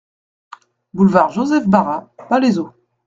Boulevard Joseph Bara, Palaiseau